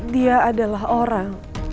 dia adalah orang